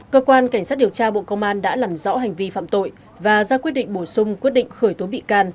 cơ quan cảnh sát điều tra bộ công an đã làm rõ hành vi phạm tội và ra quyết định bổ sung quyết định khởi tố bị can